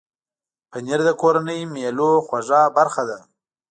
پنېر د کورنۍ مېلو خوږه برخه ده.